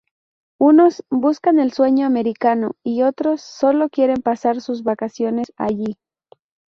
Unos buscan el sueño americano y otros sólo quieren pasar sus vacaciones allí.